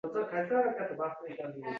to‘g‘risidagi axborot ko‘rsatilishi kerak.